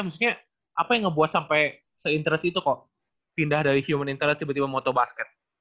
maksudnya apa yang ngebuat sampe se interest itu kok pindah dari human interest tiba tiba moto basket